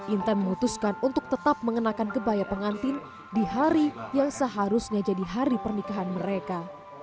inten memutuskan untuk tetap mengenakan kebaya pengantin di hari yang seharusnya jadi hari pernikahan mereka